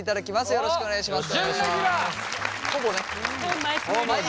よろしくお願いします。